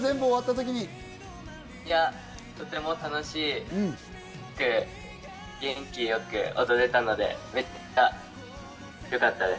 とても楽しく元気よく踊れたのでめっちゃよかったです。